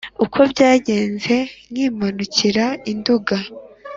uko byagenze nkimanuka i nduga